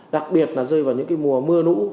đặc biệt là rơi vào những cái mùa mưa nũ